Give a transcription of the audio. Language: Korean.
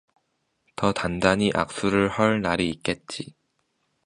더 단단히 악수를 헐 날이 있겠지.